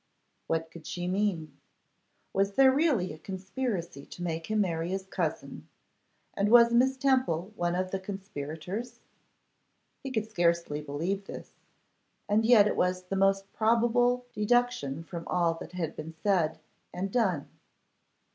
What could she mean? Was there really a conspiracy to make him marry his cousin, and was Miss Temple one of the conspirators? He could scarcely believe this, and yet it was the most probable, deduction from all that had been said and done.